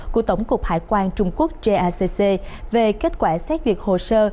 của tổng cục hải quan trung quốc cacc về kết quả xét duyệt hồ sơ